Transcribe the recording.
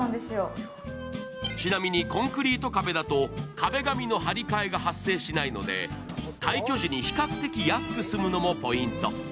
ちなみに、コンクリート壁だと、壁紙の張り替えが発生しないので、退去時に比較的安く済むのもポイント。